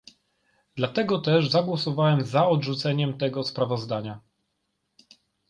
Dlatego też zagłosowałem za odrzuceniem tego sprawozdania